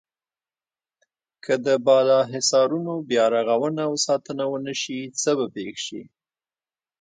که د بالا حصارونو بیا رغونه او ساتنه ونشي څه به پېښ شي.